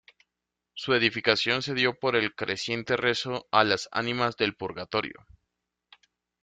Su edificación se dio por el creciente rezo a las ánimas del purgatorio.